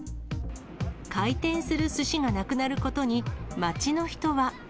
回転するすしがなくなることに、街の人は。